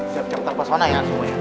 siap siap tanpa sana ya semuanya